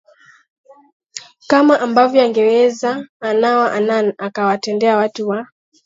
kama ambavyo angeweza anawa anan atawatendea watu wa